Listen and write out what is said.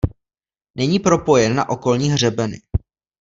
Není propojen na okolní hřebeny.